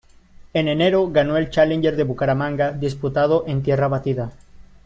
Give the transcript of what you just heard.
En enero ganó el Challenger de Bucaramanga disputado en tierra batida.